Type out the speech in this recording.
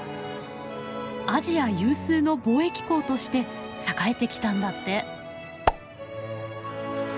アジア有数の貿易港として栄えてきたんだって。